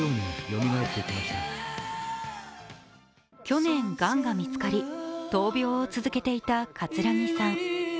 去年がんが見つかり闘病を続けていた葛城さん。